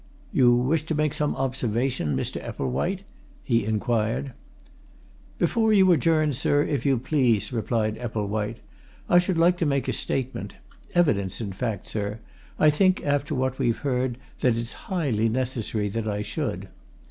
"You wish to make some observation, Mr. Epplewhite?" he inquired. "Before you adjourn, sir, if you please," replied Epplewhite, "I should like to make a statement evidence, in fact, sir. I think, after what we've heard, that it's highly necessary that I should."